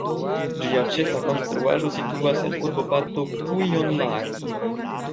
Ĝia ĉefa konstruaĵo situas en urboparto Puijonlaakso.